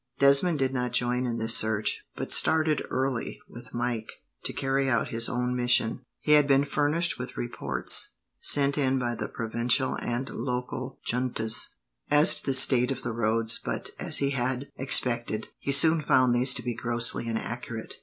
Desmond did not join in this search, but started early, with Mike, to carry out his own mission. He had been furnished with reports, sent in by the provincial and local juntas, as to the state of the roads, but, as he had expected, he soon found these to be grossly inaccurate.